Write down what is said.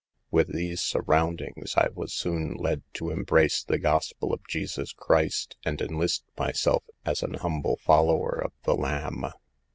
With these surroundings, I was soon led to embrace the Gospel of Jesus Christ, and enlist myself as an humble follower of the Lamb.